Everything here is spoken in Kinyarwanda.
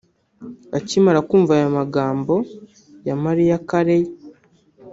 Akimara kumva aya magambo ya Mariah Carey